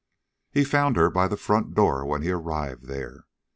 He found her by the front door when he arrived there.